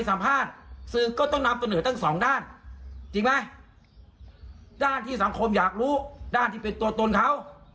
สัมภาษณ์ซึ่งก็ต้องนำตัวเหนือตั้ง๒ด้านด้านที่สังคมอยากรู้ด้านที่เป็นตัวตนเขา